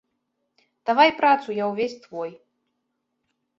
Давай працу, я ўвесь твой.